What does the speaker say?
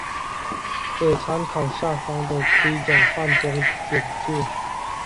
可参考下方的盔甲换装简介。